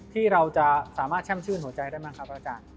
ที่เราจะสามารถแช่มชื่นหัวใจได้มั้งครับ